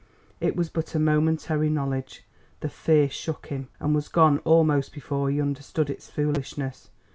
It was but a momentary knowledge; the fear shook him, and was gone almost before he understood its foolishness.